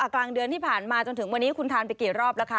กลางเดือนที่ผ่านมาจนถึงวันนี้คุณทานไปกี่รอบแล้วคะ